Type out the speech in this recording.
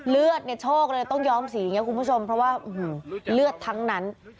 เลือดเนี่ยโชคเลยต้องย้อมสีอย่างนี้คุณผู้ชมเพราะว่าเลือดทั้งนั้น